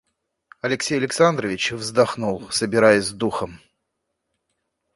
Алексей Александрович вздохнул, собираясь с духом.